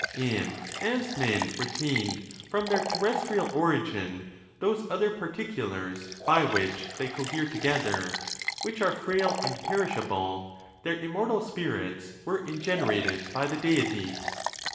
And as men retained from their terrestrial origin those other particulars by which they cohere together, which are frail and perishable, their immortal spirits were ingenerated by the Deity.